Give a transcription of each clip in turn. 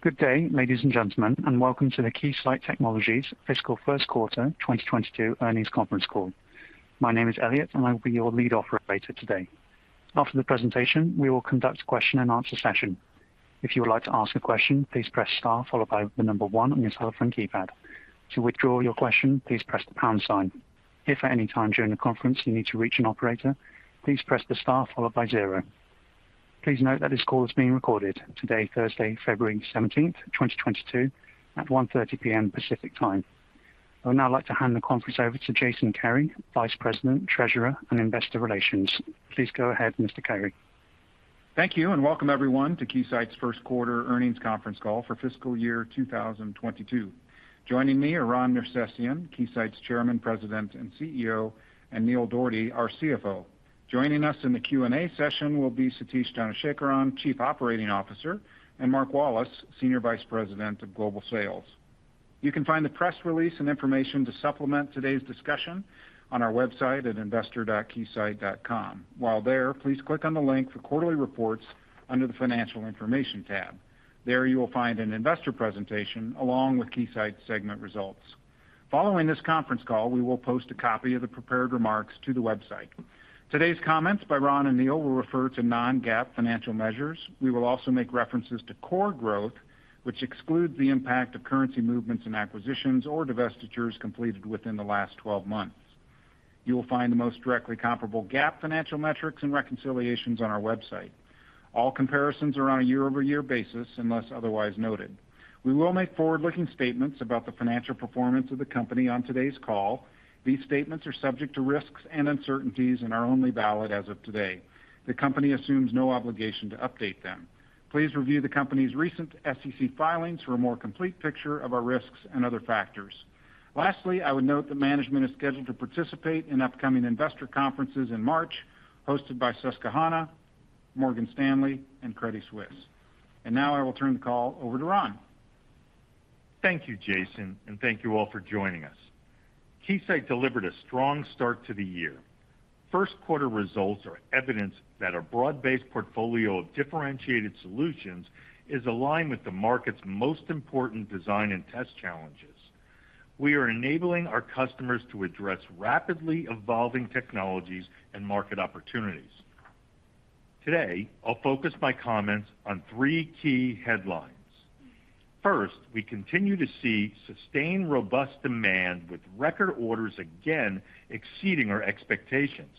Good day, ladies and gentlemen, and welcome to the Keysight Technologies Fiscal First Quarter 2022 Earnings Conference Call. My name is Elliot, and I will be your lead operator today. After the presentation, we will conduct a question-and-answer session. If you would like to ask a question, please press star followed by the number one on your telephone keypad. To withdraw your question, please press the pound sign. If at any time during the conference, you need to reach an operator, please press the star followed by zero. Please note that this call is being recorded today, Thursday, February 17, 2022 at 1:30 P.M. Pacific Time. I would now like to hand the conference over to Jason Kary, Vice President, Treasurer, and Investor Relations. Please go ahead, Mr. Kary. Thank you, and welcome everyone to Keysight's First Quarter Earnings Conference Call for Fiscal Year 2022. Joining me are Ron Nersesian, Keysight's Chairman, President, and CEO, and Neil Dougherty, our CFO. Joining us in the Q&A session will be Satish Dhanasekaran, Chief Operating Officer, and Mark Wallace, Senior Vice President of Global Sales. You can find the press release and information to supplement today's discussion on our website at investor.keysight.com. While there, please click on the link for quarterly reports under the Financial Information tab. There you will find an investor presentation along with Keysight segment results. Following this conference call, we will post a copy of the prepared remarks to the website. Today's comments by Ron and Neil will refer to non-GAAP financial measures. We will also make references to core growth, which excludes the impact of currency movements and acquisitions or divestitures completed within the last twelve months. You will find the most directly comparable GAAP financial metrics and reconciliations on our website. All comparisons are on a year-over-year basis, unless otherwise noted. We will make forward-looking statements about the financial performance of the company on today's call. These statements are subject to risks and uncertainties and are only valid as of today. The company assumes no obligation to update them. Please review the company's recent SEC filings for a more complete picture of our risks and other factors. Lastly, I would note that management is scheduled to participate in upcoming investor conferences in March, hosted by Susquehanna, Morgan Stanley, and Credit Suisse. Now I will turn the call over to Ron. Thank you, Jason, and thank you all for joining us. Keysight delivered a strong start to the year. First quarter results are evidence that our broad-based portfolio of differentiated solutions is aligned with the market's most important design and test challenges. We are enabling our customers to address rapidly evolving technologies and market opportunities. Today, I'll focus my comments on three key headlines. First, we continue to see sustained robust demand with record orders again exceeding our expectations.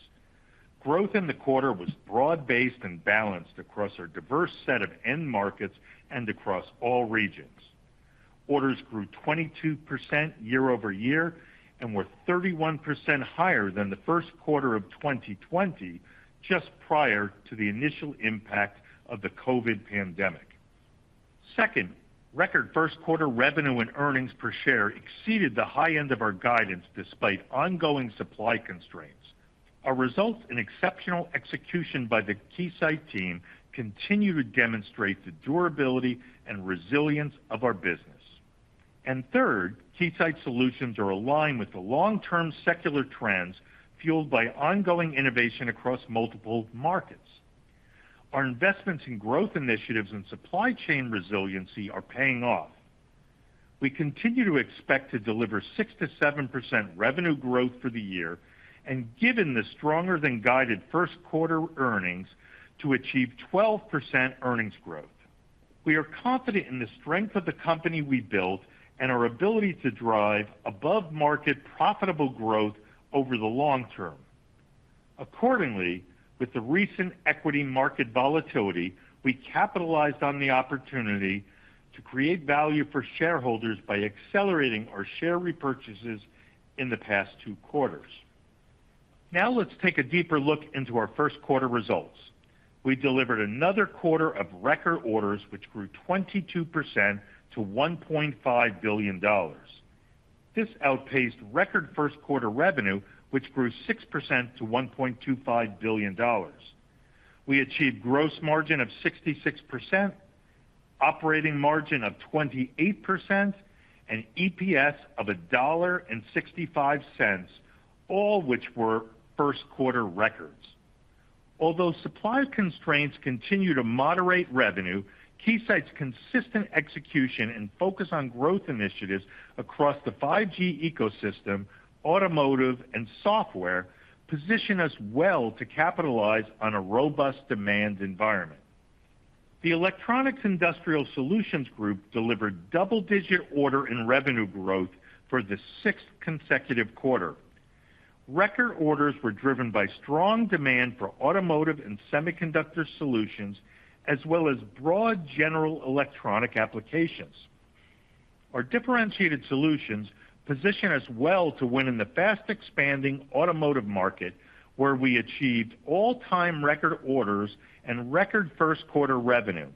Growth in the quarter was broad-based and balanced across our diverse set of end markets and across all regions. Orders grew 22% year-over-year and were 31% higher than the first quarter of 2020, just prior to the initial impact of the COVID pandemic. Second, record first quarter revenue and earnings per share exceeded the high end of our guidance despite ongoing supply constraints. Our results and exceptional execution by the Keysight team continue to demonstrate the durability and resilience of our business. Third, Keysight solutions are aligned with the long-term secular trends fueled by ongoing innovation across multiple markets. Our investments in growth initiatives and supply chain resiliency are paying off. We continue to expect to deliver 6%-7% revenue growth for the year and, given the stronger than guided first quarter earnings, to achieve 12% earnings growth. We are confident in the strength of the company we built and our ability to drive above-market profitable growth over the long term. Accordingly, with the recent equity market volatility, we capitalized on the opportunity to create value for shareholders by accelerating our share repurchases in the past two quarters. Now let's take a deeper look into our first quarter results. We delivered another quarter of record orders, which grew 22% to $1.5 billion. This outpaced record first quarter revenue, which grew 6% to $1.25 billion. We achieved gross margin of 66%, operating margin of 28%, and EPS of $1.65, all which were first quarter records. Although supply constraints continue to moderate revenue, Keysight's consistent execution and focus on growth initiatives across the 5G ecosystem, automotive, and software position us well to capitalize on a robust demand environment. The Electronic Industrial Solutions Group delivered double-digit order and revenue growth for the sixth consecutive quarter. Record orders were driven by strong demand for automotive and semiconductor solutions, as well as broad general electronic applications. Our differentiated solutions position us well to win in the fast-expanding automotive market, where we achieved all-time record orders and record first quarter revenue.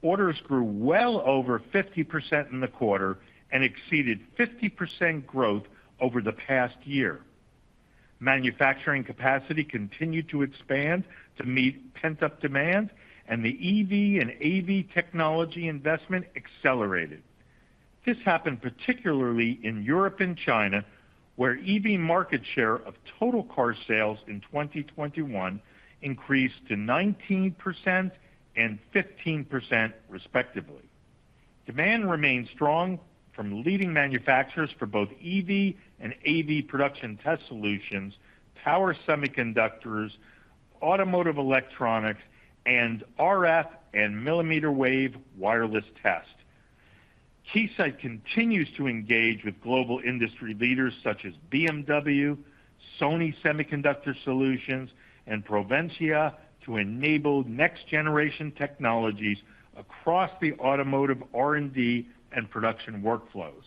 Orders grew well over 50% in the quarter and exceeded 50% growth over the past year. Manufacturing capacity continued to expand to meet pent-up demand, and the EV and AV technology investment accelerated. This happened particularly in Europe and China, where EV market share of total car sales in 2021 increased to 19% and 15% respectively. Demand remains strong from leading manufacturers for both EV and AV production test solutions, power semiconductors, automotive electronics, and RF and millimeter wave wireless test. Keysight continues to engage with Global industry leaders such as BMW, Sony Semiconductor Solutions, and Proventia to enable next-generation technologies across the automotive R&D and production workflows.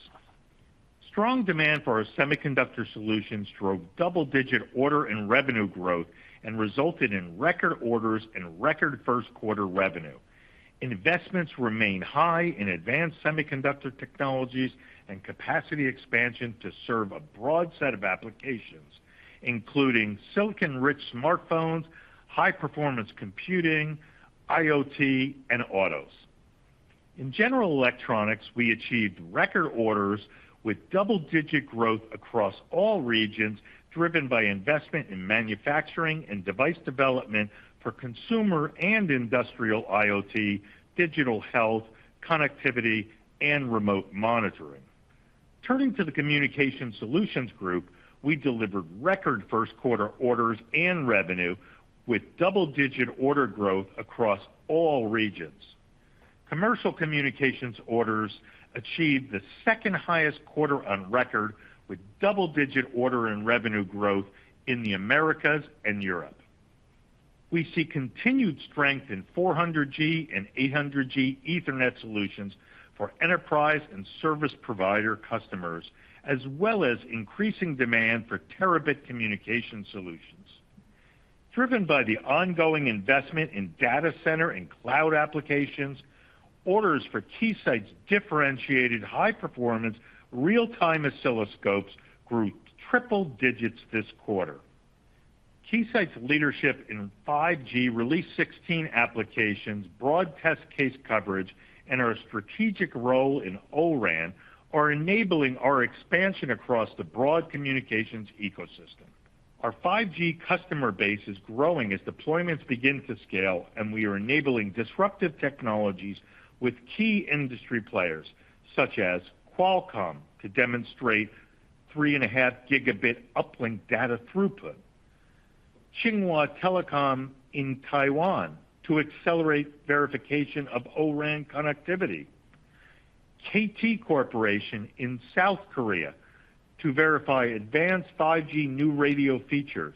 Strong demand for our semiconductor solutions drove double-digit order and revenue growth and resulted in record orders and record first quarter revenue. Investments remain high in advanced semiconductor technologies and capacity expansion to serve a broad set of applications, including silicon-rich smartphones, high-performance computing, IoT, and autos. In general electronics, we achieved record orders with double-digit growth across all regions, driven by investment in manufacturing and device development for consumer and industrial IoT, digital health, connectivity, and remote monitoring. Turning to the Communications Solutions Group, we delivered record first quarter orders and revenue with double-digit order growth across all regions. Commercial communications orders achieved the second-highest quarter on record, with double-digit order and revenue growth in the Americas and Europe. We see continued strength in 400G and 800G Ethernet solutions for enterprise and service provider customers, as well as increasing demand for terabit communication solutions. Driven by the ongoing investment in data center and cloud applications, orders for Keysight's differentiated high-performance real-time oscilloscopes grew triple digits this quarter. Keysight's leadership in 5G Release 16 applications, broad test case coverage, and our strategic role in O-RAN are enabling our expansion across the broad communications ecosystem. Our 5G customer base is growing as deployments begin to scale, and we are enabling disruptive technologies with key industry players such as Qualcomm to demonstrate 3.5 Gb uplink data throughput, Chunghwa Telecom in Taiwan to accelerate verification of O-RAN connectivity, KT Corporation in South Korea to verify advanced 5G new radio features,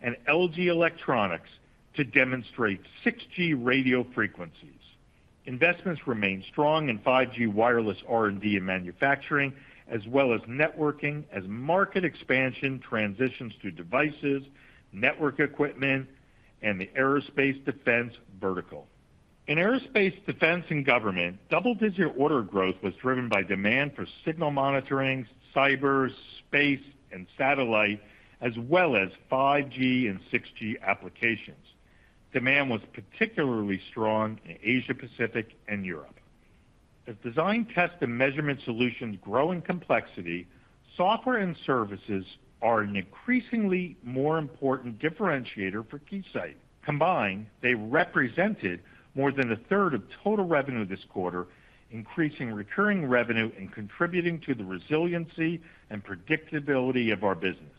and LG Electronics to demonstrate 6G radio frequencies. Investments remain strong in 5G wireless R&D and manufacturing, as well as networking, as market expansion transitions to devices, network equipment, and the aerospace defense vertical. In aerospace, defense, and government, double-digit order growth was driven by demand for signal monitoring, cyber, space, and satellite, as well as 5G and 6G applications. Demand was particularly strong in Asia-Pacific and Europe. As design, test, and measurement solutions grow in complexity, software and services are an increasingly more important differentiator for Keysight. Combined, they represented more than a third of total revenue this quarter, increasing recurring revenue and contributing to the resiliency and predictability of our business.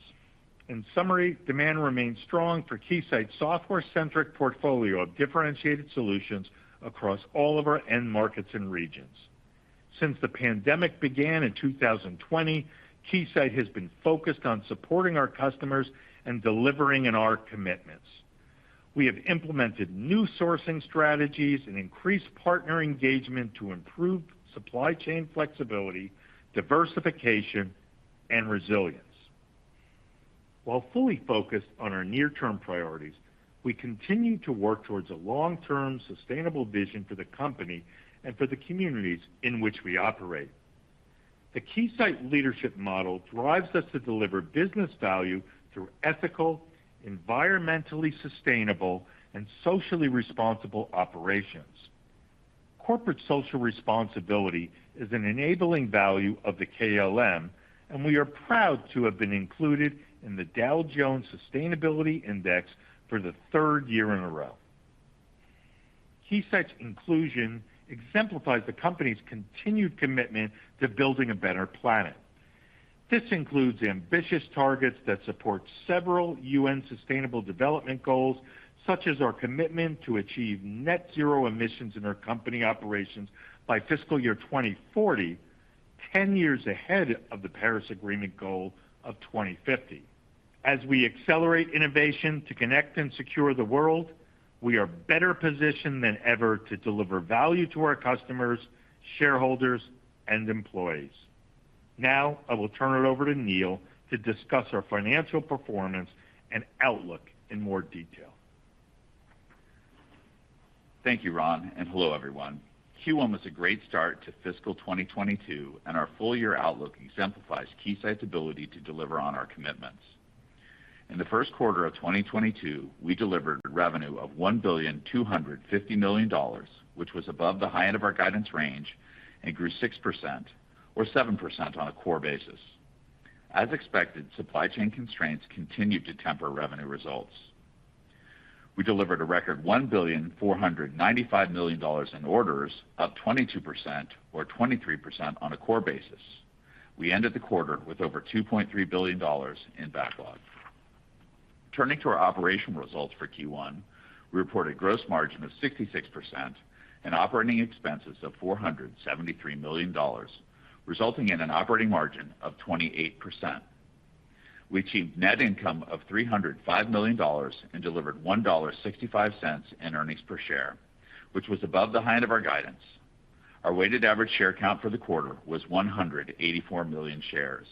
In summary, demand remains strong for Keysight's software-centric portfolio of differentiated solutions across all of our end markets and regions. Since the pandemic began in 2020, Keysight has been focused on supporting our customers and delivering on our commitments. We have implemented new sourcing strategies and increased partner engagement to improve supply chain flexibility, diversification, and resilience. While fully focused on our near-term priorities, we continue to work towards a long-term, sustainable vision for the company and for the communities in which we operate. The Keysight Leadership Model drives us to deliver business value through ethical, environmentally sustainable, and socially responsible operations. Corporate social responsibility is an enabling value of the KLM, and we are proud to have been included in the Dow Jones Sustainability Index for the third year in a row. Keysight's inclusion exemplifies the company's continued commitment to building a better planet. This includes ambitious targets that support several UN Sustainable Development Goals, such as our commitment to achieve net zero emissions in our company operations by fiscal year 2040, ten years ahead of the Paris Agreement goal of 2050. As we accelerate innovation to connect and secure the world, we are better positioned than ever to deliver value to our customers, shareholders, and employees. Now, I will turn it over to Neil to discuss our financial performance and outlook in more detail. Thank you, Ron, and hello, everyone. Q1 was a great start to fiscal 2022, and our full-year outlook exemplifies Keysight's ability to deliver on our commitments. In the first quarter of 2022, we delivered revenue of $1.25 billion, which was above the high end of our guidance range and grew 6% or 7% on a core basis. As expected, supply chain constraints continued to temper revenue results. We delivered a record $1.495 billion in orders, up 22% or 23% on a core basis. We ended the quarter with over $2.3 billion in backlog. Turning to our operational results for Q1, we reported gross margin of 66% and operating expenses of $473 million, resulting in an operating margin of 28%. We achieved net income of $305 million and delivered $1.65 in earnings per share, which was above the high end of our guidance. Our weighted average share count for the quarter was 184 million shares.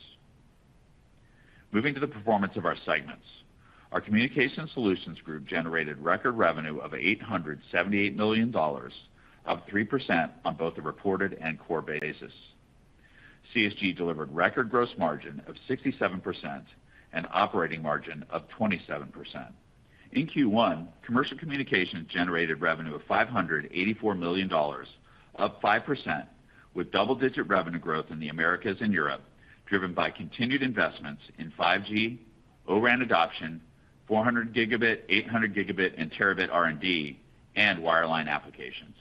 Moving to the performance of our segments. Our Communications Solutions Group generated record revenue of $878 million, up 3% on both the reported and core basis. CSG delivered record gross margin of 67% and operating margin of 27%. In Q1, commercial communications generated revenue of $584 million, up 5% with double-digit revenue growth in the Americas and Europe, driven by continued investments in 5G, O-RAN adoption, 400G, 800G and terabit R&D and wireline applications.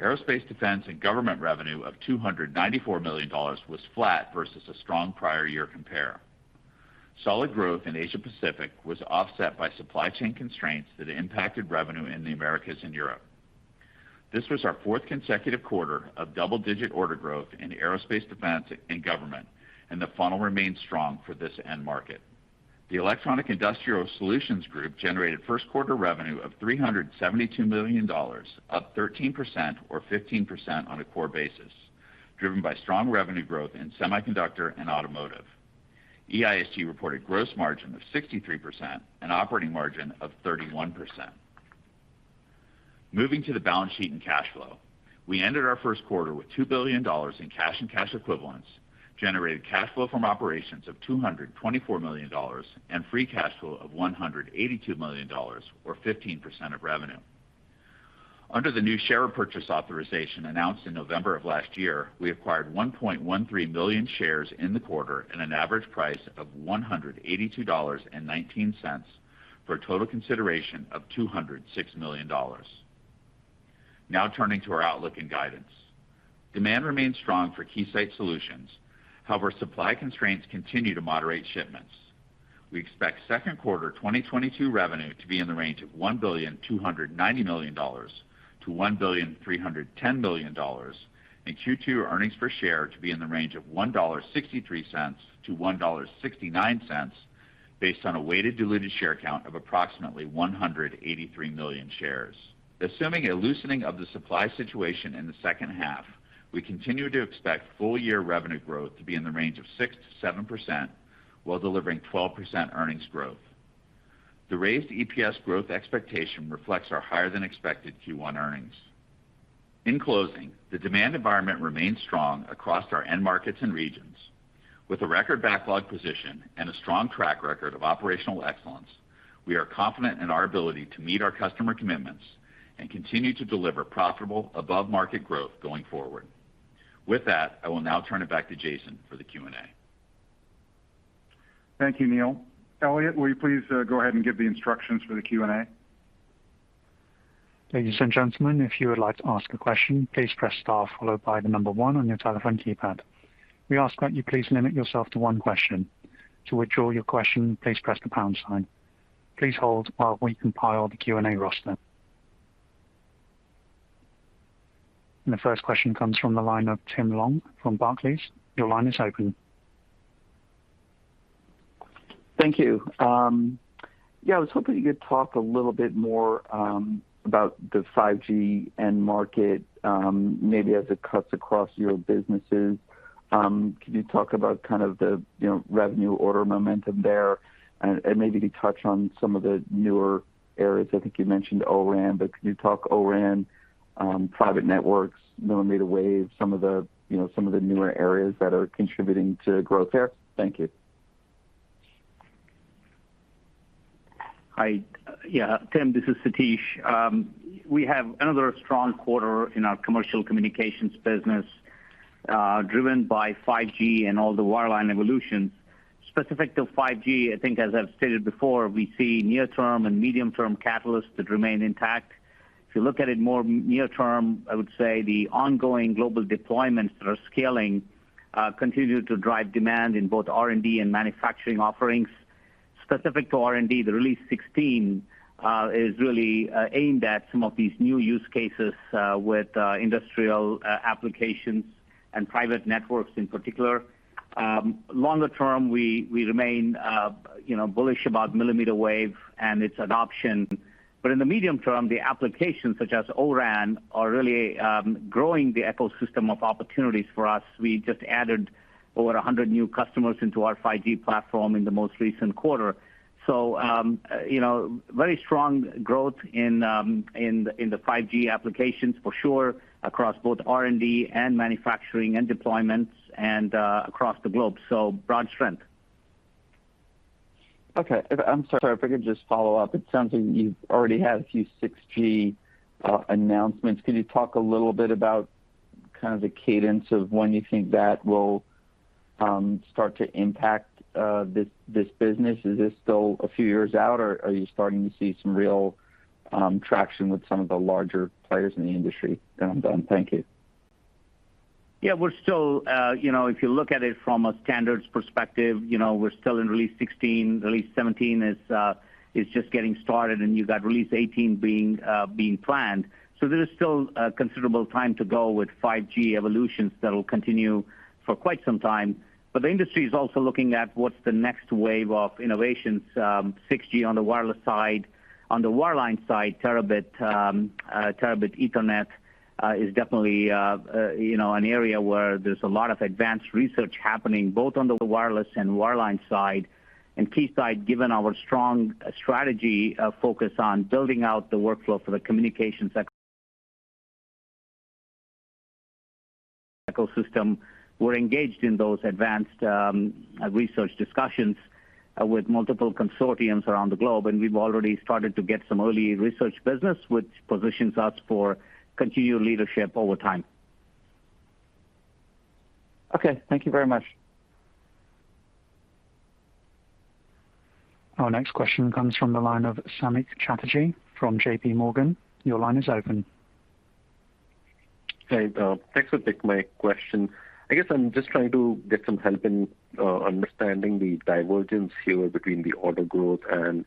Aerospace, defense and government revenue of $294 million was flat versus a strong prior year compare. Solid growth in Asia-Pacific was offset by supply chain constraints that impacted revenue in the Americas and Europe. This was our fourth consecutive quarter of double-digit order growth in aerospace, defense, and government, and the funnel remains strong for this end market. The Electronic Industrial Solutions Group generated first quarter revenue of $372 million, up 13% or 15% on a core basis, driven by strong revenue growth in semiconductor and automotive. EISG reported gross margin of 63% and operating margin of 31%. Moving to the balance sheet and cash flow. We ended our first quarter with $2 billion in cash and cash equivalents, generated cash flow from operations of $224 million, and free cash flow of $182 million or 15% of revenue. Under the new share purchase authorization announced in November of last year, we acquired 1.13 million shares in the quarter at an average price of $182.19 for a total consideration of $206 million. Now turning to our outlook and guidance. Demand remains strong for Keysight solutions. However, supply constraints continue to moderate shipments. We expect second quarter 2022 revenue to be in the range of $1.29 billion-$1.31 billion, and Q2 earnings per share to be in the range of $1.63-$1.69 based on a weighted diluted share count of approximately 183 million shares. Assuming a loosening of the supply situation in the second half, we continue to expect full year revenue growth to be in the range of 6%-7% while delivering 12% earnings growth. The raised EPS growth expectation reflects our higher than expected Q1 earnings. In closing, the demand environment remains strong across our end markets and regions. With a record backlog position and a strong track record of operational excellence, we are confident in our ability to meet our customer commitments and continue to deliver profitable above-market growth going forward. With that, I will now turn it back to Jason for the Q&A. Thank you, Neil. Elliot, will you please go ahead and give the instructions for the Q&A? Ladies and gentlemen, if you would like to ask a question, please press star followed by the number one on your telephone keypad. We ask that you please limit yourself to one question. To withdraw your question, please press the pound sign. Please hold while we compile the Q&A roster. The first question comes from the line of Tim Long from Barclays. Your line is open. Thank you. Yeah, I was hoping you could talk a little bit more about the 5G end market, maybe as it cuts across your businesses. Could you talk about kind of the, you know, revenue order momentum there? And maybe to touch on some of the newer areas. I think you mentioned O-RAN, but can you talk O-RAN, private networks, millimeter wave, some of the, you know, some of the newer areas that are contributing to growth there? Thank you. Hi. Yeah, Tim, this is Satish. We have another strong quarter in our Commercial Communications business, driven by 5G and all the wireline evolutions. Specific to 5G, I think as I've stated before, we see near-term and medium-term catalysts that remain intact. If you look at it more near term, I would say the ongoing global deployments that are scaling continue to drive demand in both R&D and manufacturing offerings. Specific to R&D, Release 16 is really aimed at some of these new use cases with industrial applications and private networks in particular. Longer term, we remain you know bullish about millimeter wave and its adoption. In the medium term, the applications such as O-RAN are really growing the ecosystem of opportunities for us. We just added over 100 new customers into our 5G platform in the most recent quarter. Very strong growth in the 5G applications for sure across both R&D and manufacturing and deployments and across the globe. Broad strength. Okay. I'm sorry if I could just follow up. It sounds like you've already had a few 6G announcements. Could you talk a little bit about kind of the cadence of when you think that will start to impact this business? Is this still a few years out, or are you starting to see some real traction with some of the larger players in the industry? Then I'm done. Thank you. Yeah, we're still, you know, if you look at it from a standards perspective, you know, we're still in Release 16. Release 17 is just getting started, and you got Release 18 being planned. There is still considerable time to go with 5G evolutions that will continue for quite some time. The industry is also looking at what's the next wave of innovations, 6G on the wireless side. On the wireline side, terabit Ethernet is definitely, you know, an area where there's a lot of advanced research happening both on the wireless and wireline side. Keysight, given our strong strategy, focus on building out the workflow for the communication ecosystem, we're engaged in those advanced research discussions with multiple consortiums around the globe, and we've already started to get some early Research business which positions us for continued leadership over time. Okay. Thank you very much. Our next question comes from the line of Samik Chatterjee from JPMorgan. Your line is open. Hey. Thanks for taking my question. I guess I'm just trying to get some help in understanding the divergence here between the order growth and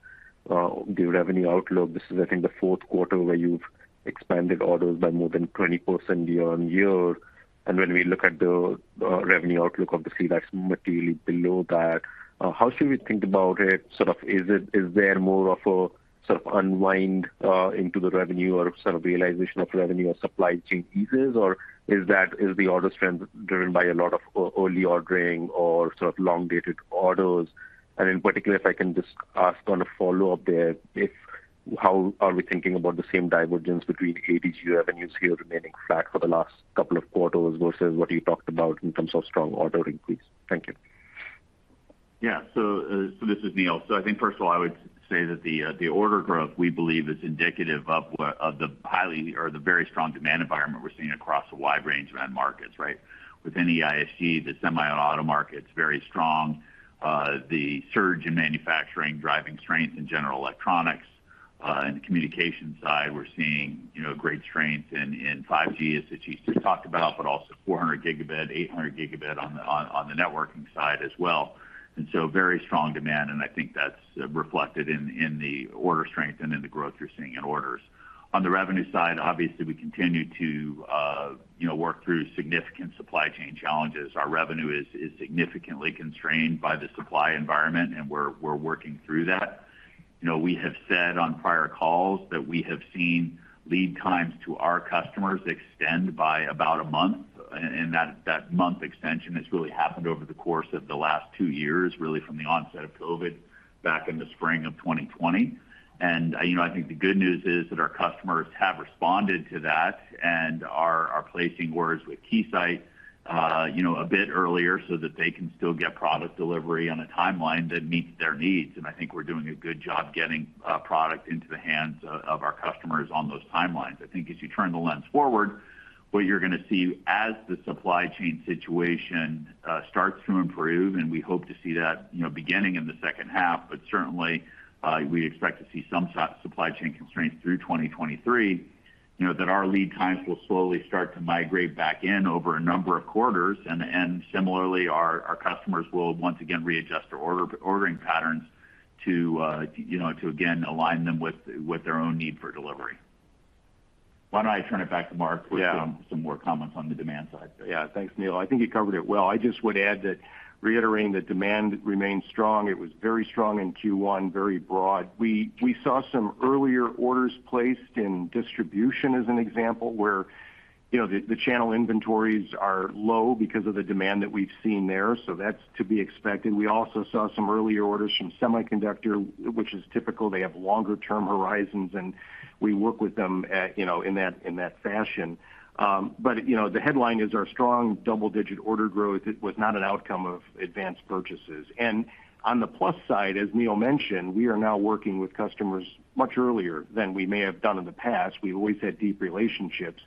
the revenue outlook. This is, I think, the fourth quarter where you've expanded orders by more than 20% year-on-year. When we look at the revenue outlook, obviously, that's materially below that. How should we think about it? Sort of, is there more of a sort of unwind into the revenue or sort of realization of revenue or supply chain pieces, or is the order strength driven by a lot of early ordering or sort of long-dated orders? In particular, if I can just ask on a follow-up there, how are we thinking about the same divergence between ADG revenues here remaining flat for the last couple of quarters versus what you talked about in terms of strong order increase? Thank you. This is Neil. I think first of all, I would say that the order growth, we believe is indicative of the very strong demand environment we're seeing across a wide range of end markets, right? Within EISG, the semi and auto market's very strong. The surge in manufacturing, driving strength in general electronics. In the communication side, we're seeing, you know, great strength in 5G, as Satish just talked about, but also 400 Gb, 800 Gb on the networking side as well. Very strong demand, and I think that's reflected in the order strength and in the growth you're seeing in orders. On the revenue side, obviously, we continue to, you know, work through significant supply chain challenges. Our revenue is significantly constrained by the supply environment, and we're working through that. You know, we have said on prior calls that we have seen lead times to our customers extend by about a month. That month extension has really happened over the course of the last two years, really from the onset of COVID back in the spring of 2020. You know, I think the good news is that our customers have responded to that and are placing orders with Keysight, you know, a bit earlier so that they can still get product delivery on a timeline that meets their needs. I think we're doing a good job getting product into the hands of our customers on those timelines. I think as you turn the lens forward, what you're going to see as the supply chain situation starts to improve, and we hope to see that, you know, beginning in the second half, but certainly we expect to see some supply chain constraints through 2023, you know, that our lead times will slowly start to migrate back in over a number of quarters. Similarly, our customers will once again readjust their ordering patterns to, you know, to again align them with their own need for delivery. Why don't I turn it back to Mark with some. Yeah. Some more comments on the demand side. Yeah. Thanks, Neil. I think you covered it well. I just would add that reiterating that demand remains strong. It was very strong in Q1, very broad. We saw some earlier orders placed in distribution as an example, where you know the channel inventories are low because of the demand that we've seen there. So that's to be expected. We also saw some earlier orders from semiconductor, which is typical. They have longer term horizons, and we work with them at you know in that fashion. You know, the headline is our strong double-digit order growth. It was not an outcome of advanced purchases. On the plus side, as Neil mentioned, we are now working with customers much earlier than we may have done in the past. We've always had deep relationships,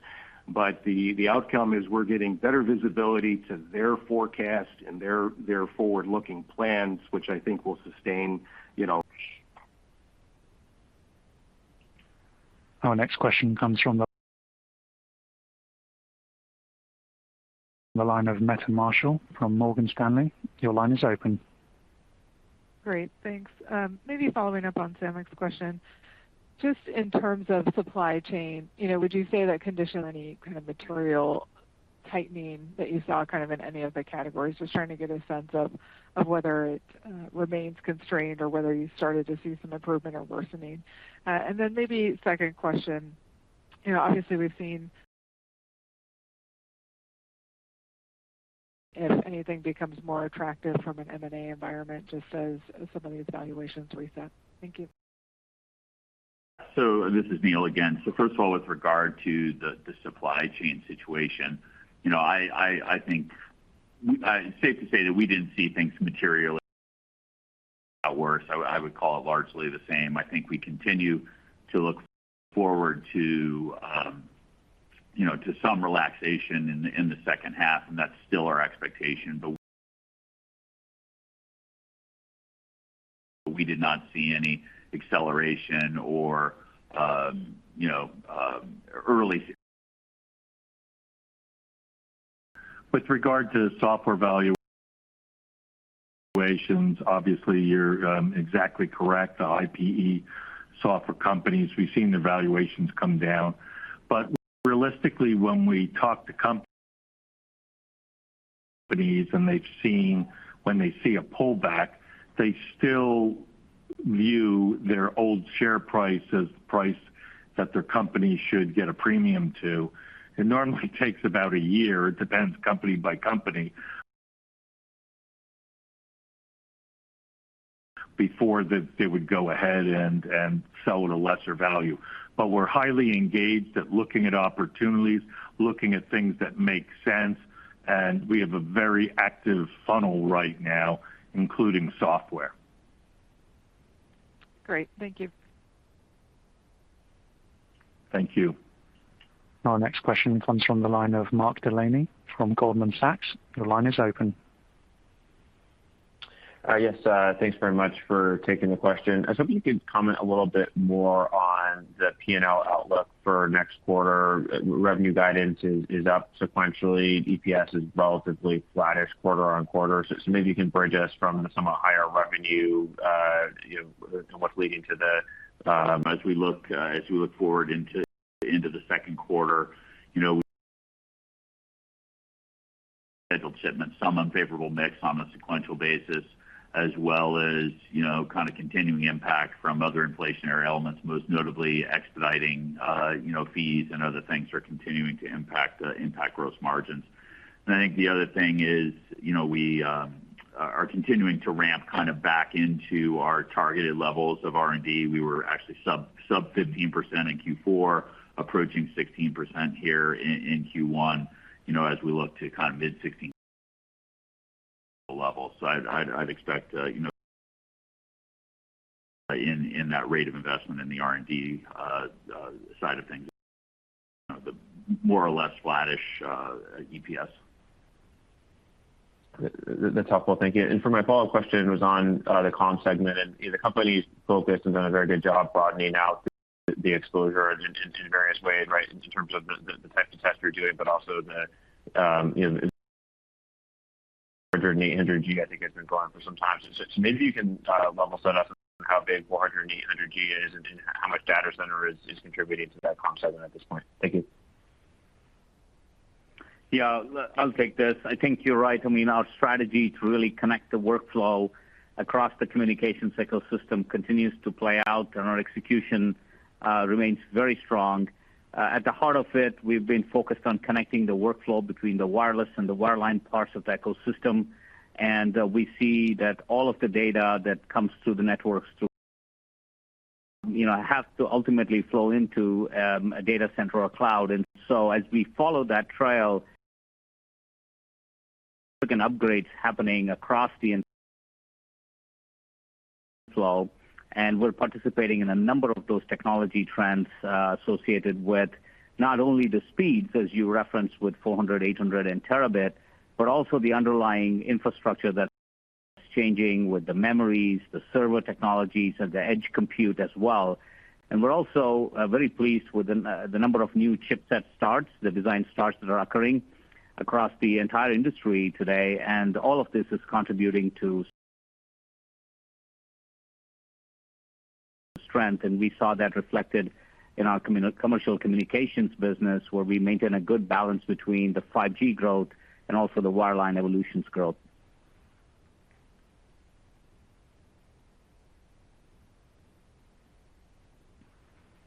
but the outcome is we're getting better visibility to their forecast and their forward-looking plans, which I think will sustain, you know. Our next question comes from the line of Meta Marshall from Morgan Stanley. Your line is open. Great. Thanks. Maybe following up on Samik's question. Just in terms of supply chain, you know, would you say that continues any kind of material tightening that you saw kind of in any of the categories? Just trying to get a sense of whether it remains constrained or whether you started to see some improvement or worsening. And then maybe second question. You know, obviously, we've seen if anything becomes more attractive from an M&A environment, just as some of these valuations reset. Thank you. This is Neil again. First of all, with regard to the supply chain situation, you know, I think it's safe to say that we didn't see things materially worse. I would call it largely the same. I think we continue to look forward to, you know, to some relaxation in the second half, and that's still our expectation. But we did not see any acceleration or, you know, early. With regard to software valuations, obviously, you're exactly correct. The IP and EDA software companies, we've seen their valuations come down. But realistically, when we talk to companies, and when they see a pullback, they still view their old share price as the price that their company should get a premium to. It normally takes about a year, it depends company-by-company, before they would go ahead and sell at a lesser value. We're highly engaged at looking at opportunities, looking at things that make sense, and we have a very active funnel right now, including software. Great. Thank you. Thank you. Our next question comes from the line of Mark Delaney from Goldman Sachs. Your line is open. Yes, thanks very much for taking the question. I was hoping you could comment a little bit more on the P&L outlook for next quarter. Revenue guidance is up sequentially. EPS is relatively flattish quarter-on-quarter. Just maybe you can bridge us from the somewhat higher revenue, you know, and what's leading to the, as we look forward into the second quarter. You know, scheduled shipments, some unfavorable mix on a sequential basis, as well as, you know, kind of continuing impact from other inflationary elements, most notably expediting, you know, fees and other things are continuing to impact gross margins. I think the other thing is, you know, we are continuing to ramp kind of back into our targeted levels of R&D. We were actually sub 15% in Q4, approaching 16% here in Q1, you know, as we look to kind of mid-16 level. I'd expect, you know, in that rate of investment in the R&D side of things, the more or less flattish EPS. That's helpful. Thank you. My follow-up question is on the Comm segment. The company's focus has done a very good job broadening out the exposure in various ways, right? In terms of the type of tests you're doing, but also the 800G, I think, has been going for some time. So maybe you can level set us on how big 400G and 800G is and how much data center is contributing to that Comm segment at this point. Thank you. Yeah, I'll take this. I think you're right. I mean, our strategy to really connect the workflow across the communication ecosystem continues to play out, and our execution remains very strong. At the heart of it, we've been focused on connecting the workflow between the wireless and the wireline parts of the ecosystem. We see that all of the data that comes through the networks have to ultimately flow into a data center or cloud. As we follow that trail, upgrades happening across the flow, and we're participating in a number of those technology trends associated with not only the speeds, as you referenced with 400, 800, and terabit, but also the underlying infrastructure that's changing with the memories, the server technologies, and the edge compute as well. We're also very pleased with the number of new chipset starts, the design starts that are occurring across the entire industry today. All of this is contributing to strength. We saw that reflected in our Commercial Communications business, where we maintain a good balance between the 5G growth and also the wireline evolutions growth.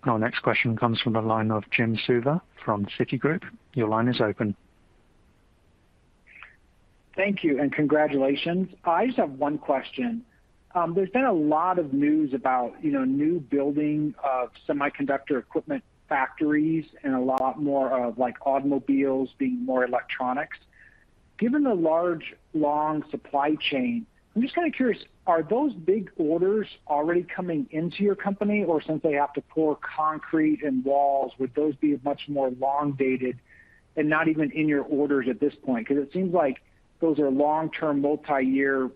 Our next question comes from the line of Jim Suva from Citigroup. Your line is open. Thank you, and congratulations. I just have one question. There's been a lot of news about, you know, new building of semiconductor equipment factories and a lot more of, like, automobiles being more electronics. Given the large, long supply chain, I'm just kind of curious, are those big orders already coming into your company? Or since they have to pour concrete and walls, would those be much more long dated and not even in your orders at this point? Because it seems like those are long-term, multi-year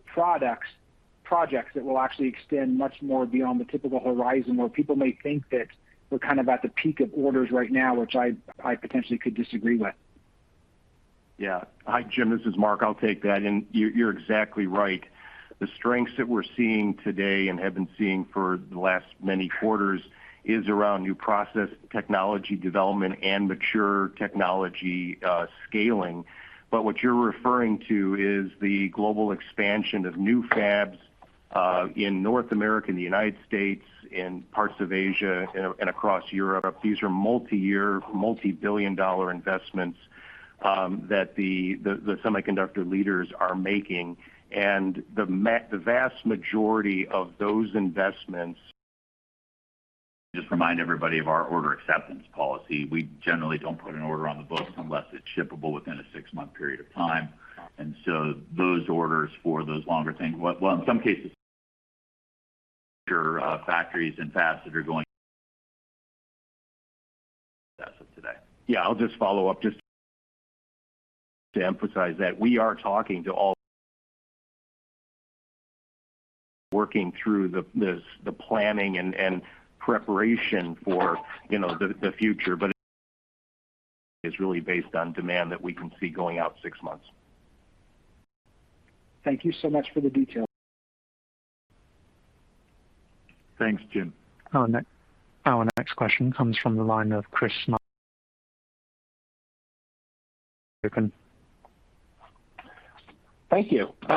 projects that will actually extend much more beyond the typical horizon, where people may think that we're kind of at the peak of orders right now, which I potentially could disagree with. Yeah. Hi, Jim. This is Mark. I'll take that. You're exactly right. The strengths that we're seeing today and have been seeing for the last many quarters is around new process technology development and mature technology scaling. What you're referring to is the global expansion of new fabs in North America, in the United States, in parts of Asia, and across Europe. These are multi-year, multi-billion-dollar investments that the semiconductor leaders are making. The vast majority of those investments Just remind everybody of our order acceptance policy. We generally don't put an order on the books unless it's shippable within a six-month period of time. Those orders for those longer things, well, in some cases, your factories and fabs that are going as of today. Yeah, I'll just follow up just to emphasize that we are talking to all, working through the planning and preparation for, you know, the future. It is really based on demand that we can see going out six months. Thank you so much for the detail. Thanks, Jim. Our next question comes from the line of Chris Snyder Thank you. Hey,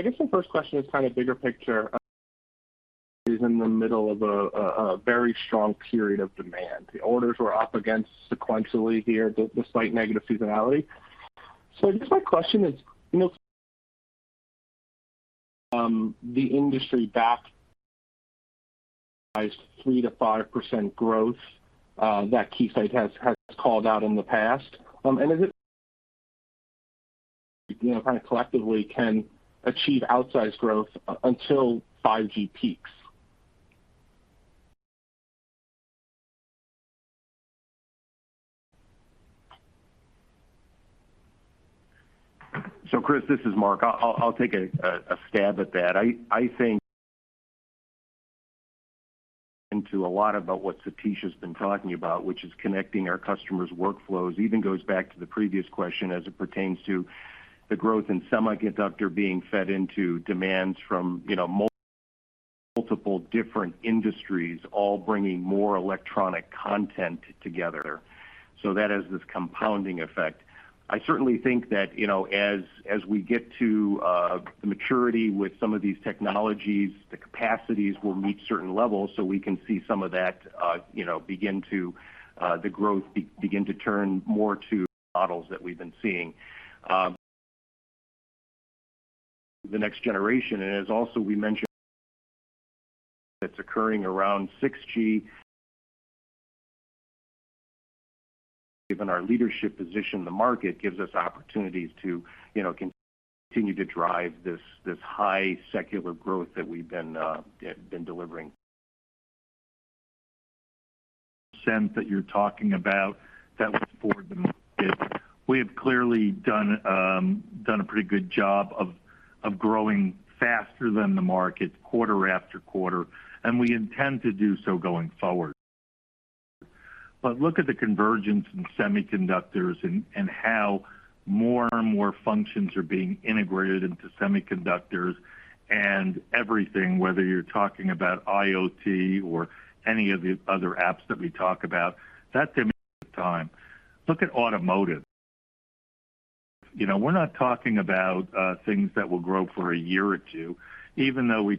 I guess my first question is kind of bigger picture is in the middle of a very strong period of demand. The orders were up against sequentially here, the slight negative seasonality. I guess my question is, you know, the industry backdrop 3%-5% growth that Keysight has called out in the past. Is it you know, kind of collectively can achieve outsized growth until 5G peaks? Chris, this is Mark. I'll take a stab at that. I think a lot about what Satish has been talking about, which is connecting our customers' workflows. It even goes back to the previous question as it pertains to the growth in semiconductor being fed into demands from, you know, multiple different industries, all bringing more electronic content together. That has this compounding effect. I certainly think that, you know, as we get to the maturity with some of these technologies, the capacities will meet certain levels. We can see some of that, you know, the growth begin to turn more to models that we've been seeing. The next generation. As we also mentioned, that's occurring around 6G. Given our leadership position in the market gives us opportunities to continue to drive this high secular growth that we've been delivering. In the sense that you're talking about that was for the market. We have clearly done a pretty good job of growing faster than the market quarter-after-quarter, and we intend to do so going forward. Look at the convergence in semiconductors and how more and more functions are being integrated into semiconductors and everything, whether you're talking about IoT or any of the other apps that we talk about, that demands time. Look at automotive. We're not talking about things that will grow for a year or two, even though we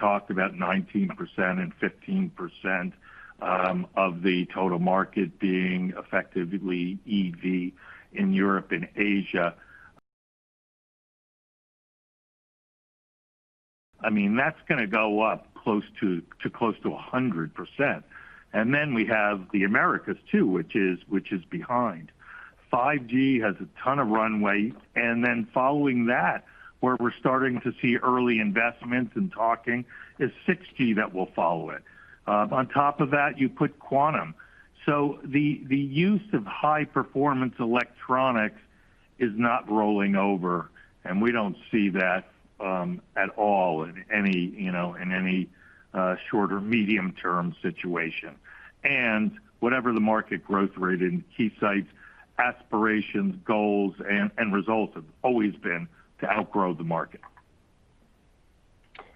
talked about 19% and 15% of the total market being effectively EV in Europe and Asia. I mean, that's going to go up close to 100%. We have the Americas too, which is behind. 5G has a ton of runway, and then following that, where we're starting to see early investments and talking, is 6G that will follow it. On top of that, you put quantum. The use of high-performance electronics is not rolling over, and we don't see that at all in any, you know, short or medium term situation. Whatever the market growth rate, Keysight's aspirations, goals and results have always been to outgrow the market.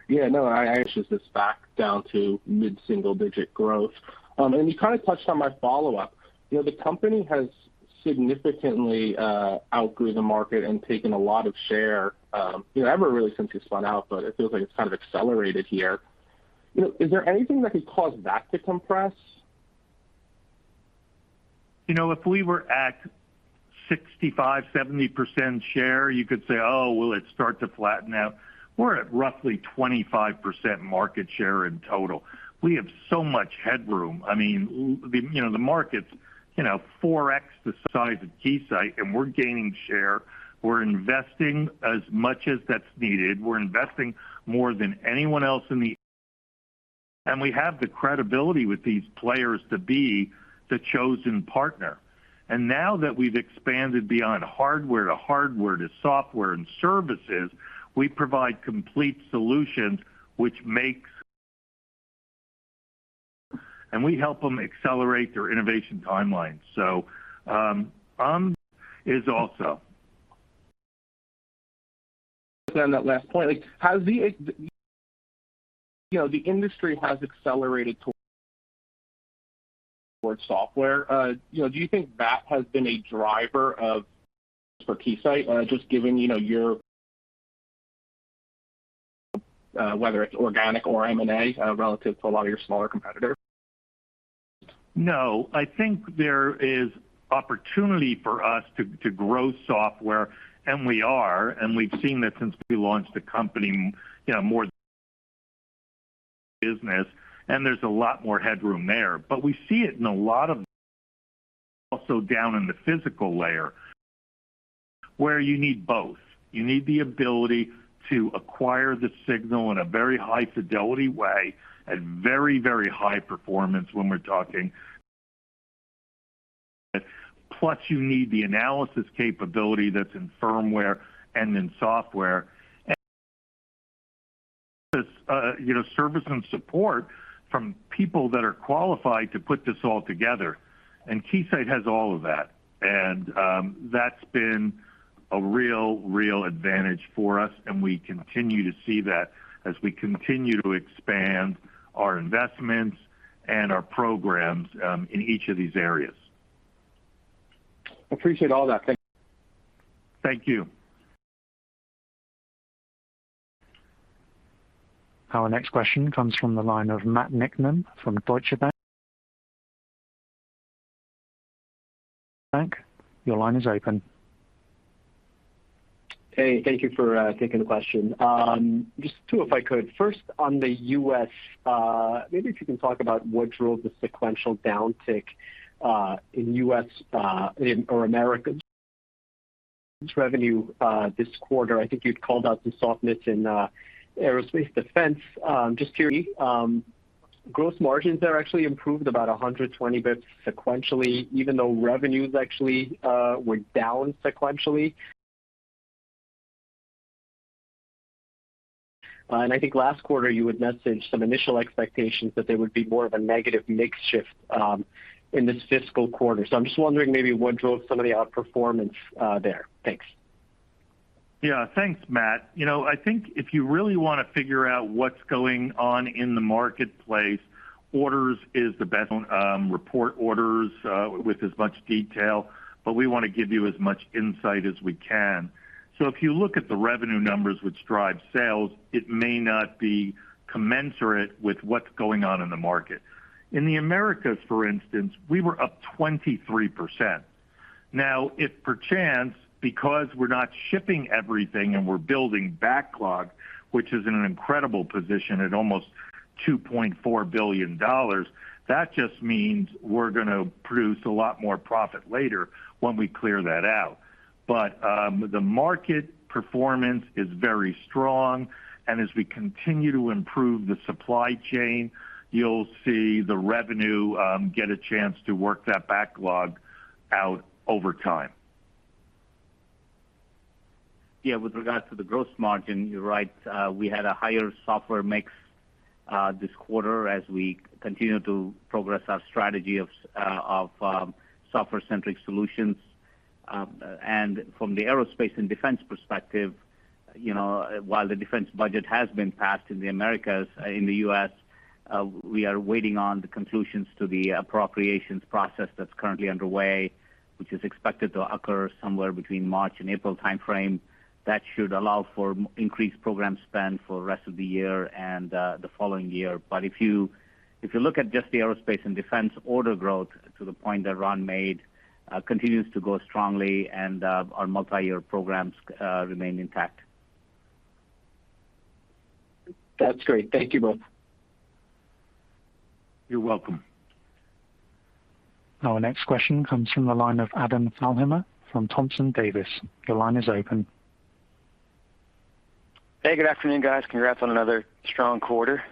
Yeah, no, I push this back down to mid-single digit growth. You kind of touched on my follow-up. You know, the company has significantly outgrew the market and taken a lot of share, you know, ever really since you spun out, but it feels like it's kind of accelerated here. You know, is there anything that could cause that to compress? You know, if we were at 65, 70% share, you could say, "Oh, will it start to flatten out?" We're at roughly 25% market share in total. We have so much headroom. I mean, the, you know, the market's, you know, 4x the size of Keysight, and we're gaining share. We're investing as much as that's needed. We're investing more than anyone else in R&D and we have the credibility with these players to be the chosen partner. Now that we've expanded beyond hardware to software and services, we provide complete solutions, which makes, and we help them accelerate their innovation timelines. is also. On that last point, like you know, the industry has accelerated towards software. You know, do you think that has been a driver for Keysight? Just given, you know, your whether it's organic or M&A, relative to a lot of your smaller competitors. No, I think there is opportunity for us to grow software, and we are, and we've seen that since we launched the company, you know, more business, and there's a lot more headroom there. We see it in a lot of areas also down in the physical layer where you need both. You need the ability to acquire the signal in a very high fidelity way at very, very high performance when we're talking. Plus you need the analysis capability that's in firmware and in software. You know, service and support from people that are qualified to put this all together. Keysight has all of that. That's been a real advantage for us, and we continue to see that as we continue to expand our investments and our programs in each of these areas. Appreciate all that. Thank you. Thank you. Our next question comes from the line of Matt Niknam from Deutsche Bank. Your line is open. Hey, thank you for taking the question. Just two, if I could. First, on the U.S., maybe if you can talk about what drove the sequential downtick in U.S. or Americas revenue this quarter. I think you'd called out some softness in aerospace defense. Just curious, gross margins there actually improved about 120 basis points sequentially, even though revenues actually were down sequentially. I think last quarter, you had mentioned some initial expectations that there would be more of a negative mix shift in this fiscal quarter. I'm just wondering maybe what drove some of the outperformance there. Thanks. Yeah. Thanks, Matt. You know, I think if you really want to figure out what's going on in the marketplace, orders is the best report, orders with as much detail, but we want to give you as much insight as we can. If you look at the revenue numbers, which drive sales, it may not be commensurate with what's going on in the market. In the Americas, for instance, we were up 23%. Now, if per chance, because we're not shipping everything and we're building backlog, which is in an incredible position at almost $2.4 billion, that just means we're going to produce a lot more profit later when we clear that out. The market performance is very strong. As we continue to improve the supply chain, you'll see the revenue get a chance to work that backlog out over time. Yeah. With regards to the gross margin, you're right. We had a higher software mix this quarter as we continue to progress our strategy of software-centric solutions. From the aerospace and defense perspective, you know, while the defense budget has been passed in America's, in the US, we are waiting on the conclusions to the appropriations process that's currently underway, which is expected to occur somewhere between March and April timeframe. That should allow for increased program spend for the rest of the year and the following year. If you look at just the aerospace and defense order growth to the point that Ron made, continues to go strongly and our multi-year programs remain intact. That's great. Thank you both. You're welcome. Our next question comes from the line of Adam Thalhimer from Thompson Davis. Your line is open. Hey, good afternoon, guys. Congrats on another strong quarter.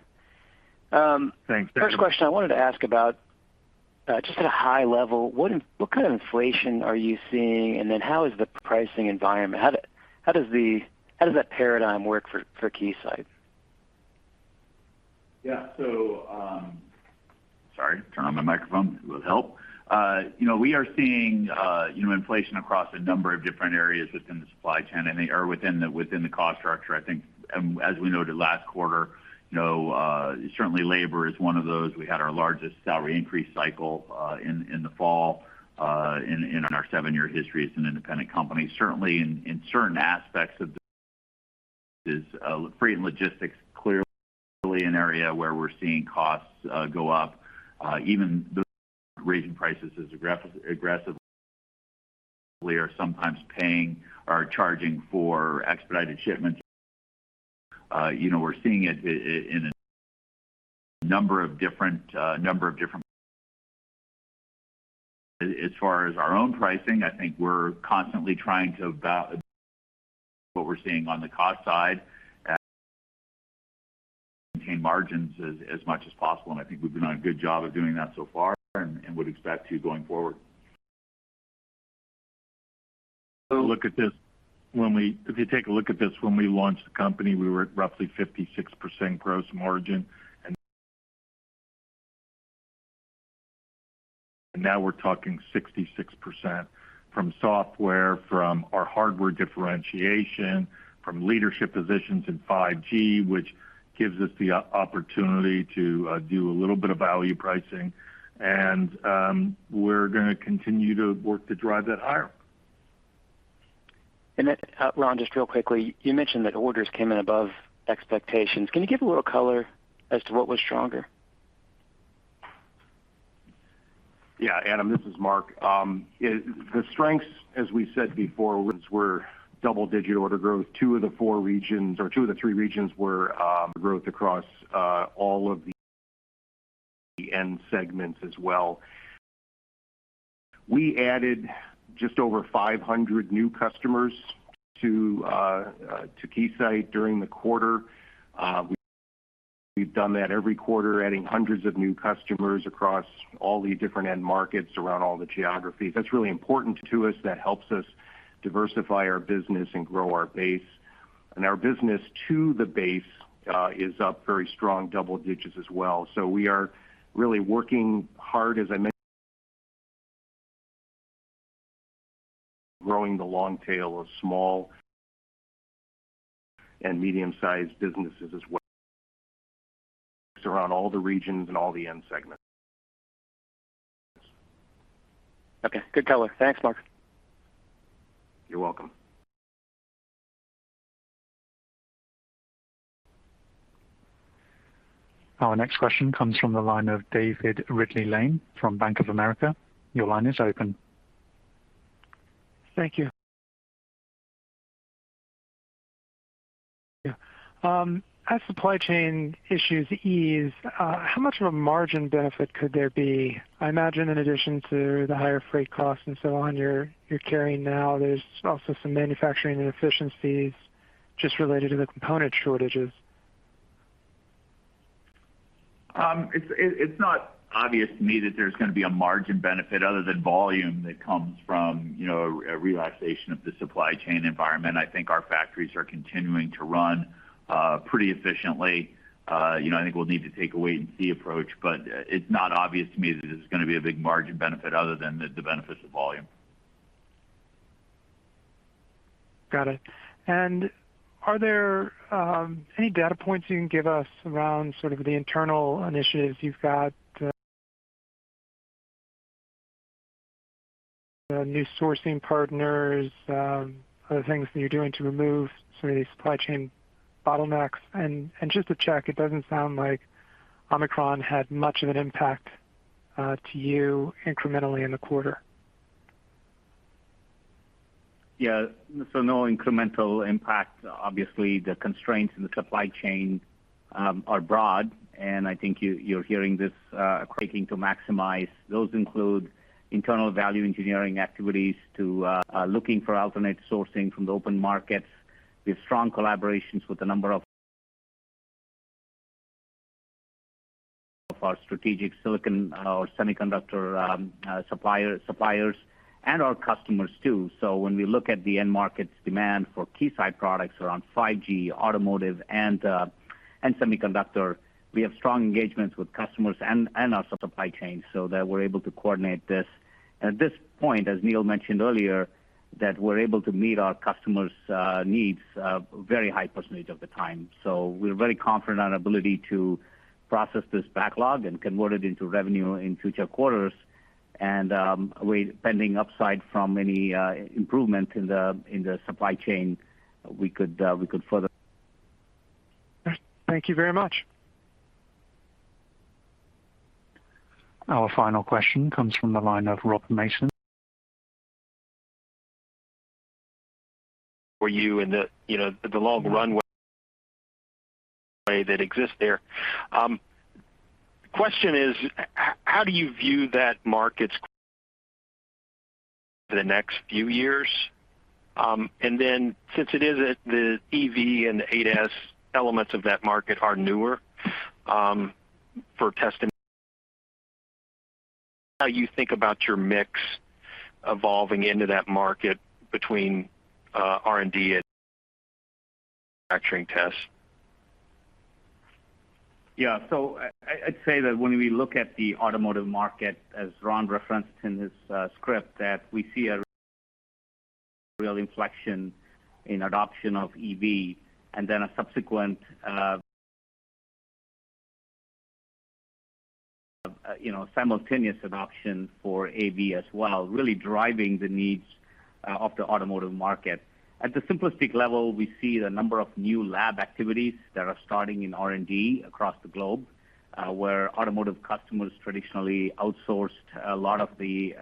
Thanks. First question I wanted to ask about, just at a high level, what kind of inflation are you seeing? How is the pricing environment? How does that paradigm work for Keysight? Yeah, sorry, turn on my microphone. It will help. You know, we are seeing inflation across a number of different areas within the supply chain and they are within the cost structure. I think, as we noted last quarter, you know, certainly labor is one of those. We had our largest salary increase cycle in the fall in our seven-year history as an independent company. Certainly in certain aspects of this, freight and logistics, clearly an area where we're seeing costs go up. Even though we're raising prices as aggressively, we're sometimes paying or charging for expedited shipments. You know, we're seeing it in a number of different areas. As far as our own pricing, I think we're constantly trying to value what we're seeing on the cost side and contain margins as much as possible, and I think we've been doing a good job of doing that so far and would expect to going forward. Look at this. If you take a look at this, when we launched the company, we were at roughly 56% gross margin. Now we're talking 66% from software, from our hardware differentiation, from leadership positions in 5G, which gives us the opportunity to do a little bit of value pricing. We're going to continue to work to drive that higher. Ron, just real quickly, you mentioned that orders came in above expectations. Can you give a little color as to what was stronger? Yeah, Adam, this is Mark. The strengths, as we said before, were double-digit order growth. Two of the four regions or two of the three regions were growth across all of the end segments as well. We added just over 500 new customers to Keysight during the quarter. We've done that every quarter, adding hundreds of new customers across all the different end markets around all the geographies. That's really important to us. That helps us diversify our business and grow our base. Our business to the base is up very strong double digits as well. We are really working hard, as I mentioned, growing the long tail of small and medium-sized businesses as well around all the regions and all the end segments. Okay. Good color. Thanks, Mark. You're welcome. Our next question comes from the line of David Ridley-Lane from Bank of America. Your line is open. Thank you. As supply chain issues ease, how much of a margin benefit could there be? I imagine in addition to the higher freight costs and so on you're carrying now, there's also some manufacturing inefficiencies just related to the component shortages. It's not obvious to me that there's gonna be a margin benefit other than volume that comes from, you know, a relaxation of the supply chain environment. I think our factories are continuing to run pretty efficiently. You know, I think we'll need to take a wait and see approach, but it's not obvious to me that there's gonna be a big margin benefit other than the benefits of volume. Got it. Are there any data points you can give us around sort of the internal initiatives you've got, new sourcing partners, other things that you're doing to remove some of these supply chain bottlenecks? Just to check, it doesn't sound like Omicron had much of an impact to you incrementally in the quarter. Yeah. No incremental impact. Obviously, the constraints in the supply chain are broad, and I think you're hearing this everywhere to maximize. Those include internal value engineering activities looking for alternate sourcing from the open markets. We have strong collaborations with a number of our strategic silicon or semiconductor suppliers and our customers too. When we look at the end markets demand for Keysight products around 5G, automotive and semiconductor, we have strong engagements with customers and our supply chain so that we're able to coordinate this. At this point, as Neil mentioned earlier, that we're able to meet our customers' needs a very high percentage of the time. We're very confident on our ability to process this backlog and convert it into revenue in future quarters. Pending upside from any improvement in the supply chain, we could further. Thank you very much. Our final question comes from the line of Rob Mason. For you know, the long runway that exists there. Question is, how do you view that market for the next few years? Since the EV and ADAS elements of that market are newer for testing, how do you think about your mix evolving into that market between R&D and manufacturing tests? Yeah. I'd say that when we look at the automotive market, as Ron referenced in his script, that we see a real inflection in adoption of EV and then a subsequent, you know, simultaneous adoption for AV as well, really driving the needs of the automotive market. At the simplistic level, we see the number of new lab activities that are starting in R&D across the globe, where automotive customers traditionally outsourced a lot of the,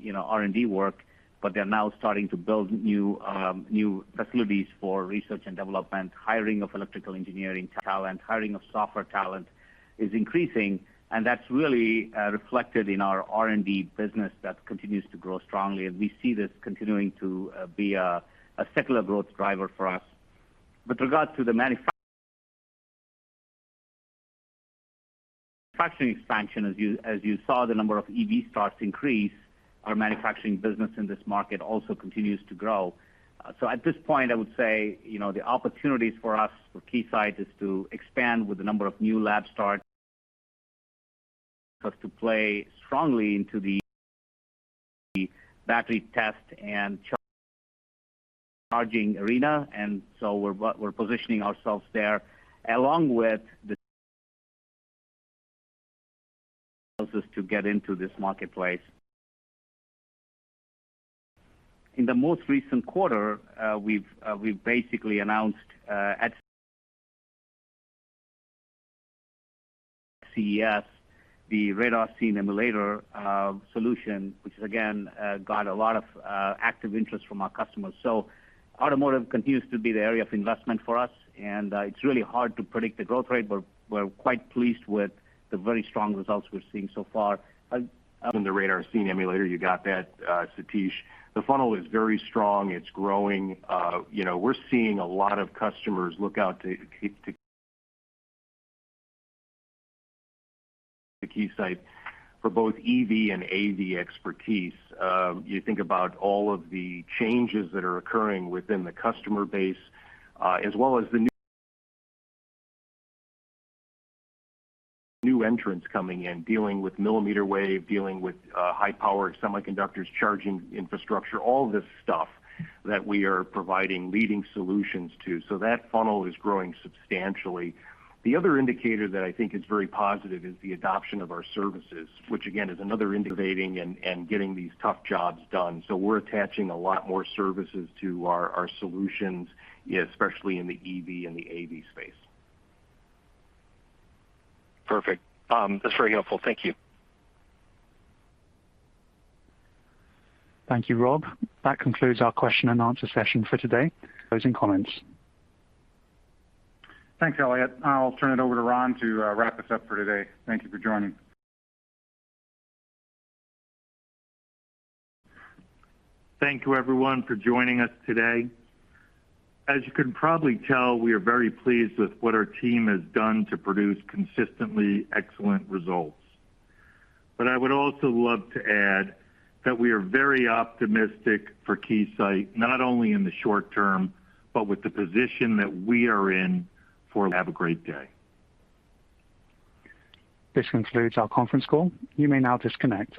you know, R&D work, but they're now starting to build new facilities for research and development. Hiring of electrical engineering talent, hiring of software talent is increasing, and that's really reflected in our R&D business that continues to grow strongly. We see this continuing to be a secular growth driver for us. With regard to the manufacturing expansion, as you saw the number of EV starts increase, our Manufacturing business in this market also continues to grow. At this point, I would say, you know, the opportunities for us, for Keysight, is to expand with the number of new lab starts to play strongly into the battery test and charging arena. And so we're positioning ourselves there along with the Helps us to get into this marketplace. In the most recent quarter, we've basically announced at CES the Radar Scene Emulator solution, which has again got a lot of active interest from our customers. Automotive continues to be the area of investment for us, and it's really hard to predict the growth rate, but we're quite pleased with the very strong results we're seeing so far. On the Radar Scene Emulator, you got that, Satish. The funnel is very strong. It's growing. You know, we're seeing a lot of customers look out to Keysight for both EV and AV expertise. You think about all of the changes that are occurring within the customer base, as well as the new entrants coming in, dealing with millimeter wave, dealing with high-power semiconductors, charging infrastructure, all this stuff that we are providing leading solutions to. That funnel is growing substantially. The other indicator that I think is very positive is the adoption of our services, which again is another indicator of getting these tough jobs done. We're attaching a lot more services to our solutions, especially in the EV and the AV space. Perfect. That's very helpful. Thank you. Thank you, Rob. That concludes our question and answer session for today. Closing comments. Thanks, Elliot. I'll turn it over to Ron to wrap this up for today. Thank you for joining. Thank you everyone for joining us today. As you can probably tell, we are very pleased with what our team has done to produce consistently excellent results. I would also love to add that we are very optimistic for Keysight, not only in the short term, but with the position that we are in. Have a great day. This concludes our conference call. You may now disconnect.